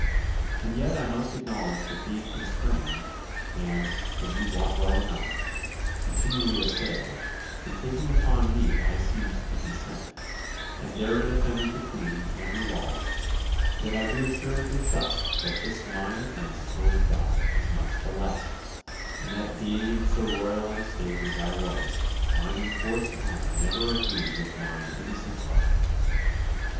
And yet I must acknowledge that being constrained, and, as you wot well enough, continually assailed, in taking upon me I seemed to consent, and therein offended the Queen and her laws, yet do I assuredly trust that this mine offence towards God is much the less, in that being in so royal an estate as I was, mine enforced honour never agreed with mine innocent heart."